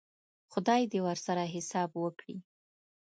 خدای دې ورسره حساب وکړي.